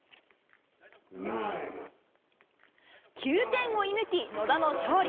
９点を射ぬき、野田の勝利。